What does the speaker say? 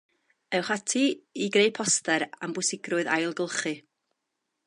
Ewch ati i greu poster am bwysigrwydd ailgylchu